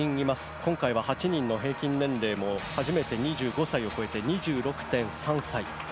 今回は８人の平均年齢も初めて２５歳を超えて２６．３歳。